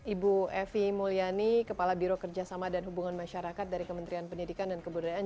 ibu evi mulyani kepala biro kerjasama dan hubungan masyarakat dari kementerian pendidikan dan kebudayaan